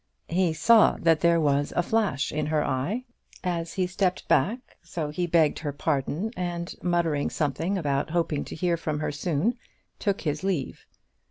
He saw that there was a flash in her eye as he stepped back; so he begged her pardon, and muttering something about hoping to hear from her soon, took his leave.